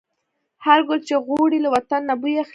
هر ګل چې غوړي، له وطن نه بوی اخلي